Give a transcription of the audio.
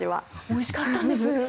おいしかったんです。